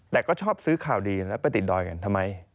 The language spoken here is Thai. แต่ก็ชอบซื้อข่าวดีแล้วไปติดดอยกันทำไม